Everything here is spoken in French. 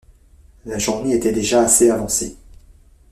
La journée était déjà assez avancée.